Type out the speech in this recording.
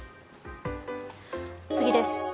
次です。